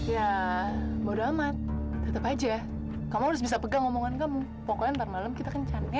ya bodo amat tetep aja kamu harus bisa pegang ngomongan kamu pokoknya ntar malem kita kencan ya oke